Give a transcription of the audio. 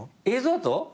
映像だと？